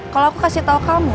kalau aku kasih tahu kamu